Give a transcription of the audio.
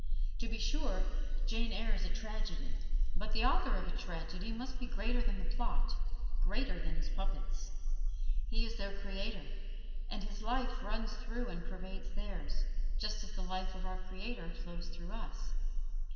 To be sure, "Jane Eyre" is a tragedy, but the author of a tragedy must be greater than the plot greater than his puppets. He is their creator, and his life runs through and pervades theirs, just as the life of our Creator flows through us.